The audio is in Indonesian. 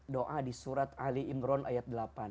doa di surat ali imron ayat delapan